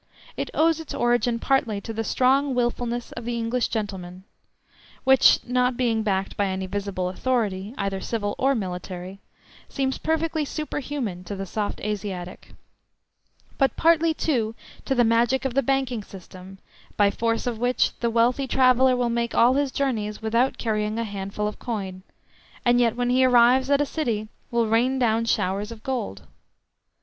It owes its origin, partly to the strong wilfulness of the English gentleman (which not being backed by any visible authority, either civil or military, seems perfectly superhuman to the soft Asiatic), but partly too to the magic of the banking system, by force of which the wealthy traveller will make all his journeys without carrying a handful of coin, and yet when he arrives at a city will rain down showers of gold.